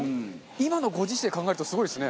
今のご時世考えるとすごいですね。